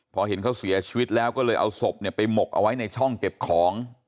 พอเห็นเขาเสียชีวิตแล้วก็เลยเอาศพไปหมกเอาไว้ในช่องเก็บของ